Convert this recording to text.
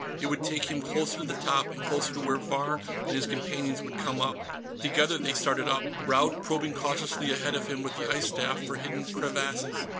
It would take him closer to the top, and closer to where Vahr and his companions would come up. Together, they started up, Raud probing cautiously ahead of him with the ice staff for hidden crevasses.